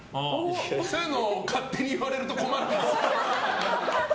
そういうの勝手に言われると困るんです。